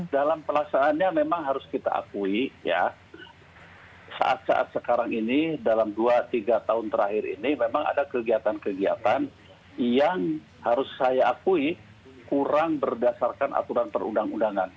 dalam pelaksanaannya memang harus kita akui ya saat saat sekarang ini dalam dua tiga tahun terakhir ini memang ada kegiatan kegiatan yang harus saya akui kurang berdasarkan aturan perundang undangan